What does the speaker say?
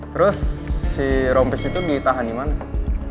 terus si rompis itu ditahan di mana